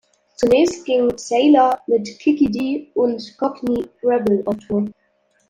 Zunächst ging Sailor mit Kiki Dee und Cockney Rebel auf Tour.